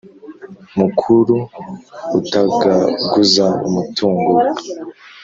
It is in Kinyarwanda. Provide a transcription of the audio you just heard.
mukuru utagaguza umutungo we